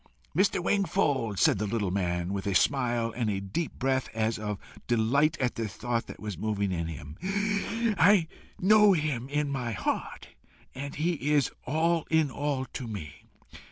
"Mr. Wingfold," said the little man, with a smile and a deep breath as of delight at the thought that was moving in him, "I know him in my heart, and he is all in all to me.